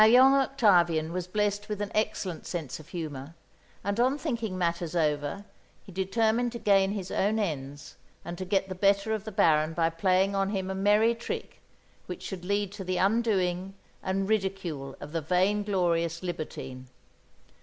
Now young Octavian was blessed with an excellent sense of humour; and on thinking matters over, he determined to gain his own ends and to get the better of the Baron by playing on him a merry trick which should lead to the undoing and ridicule of the vain glorious libertine.